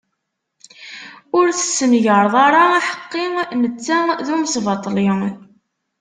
Ur tessengareḍ ara aḥeqqi netta d umesbaṭli!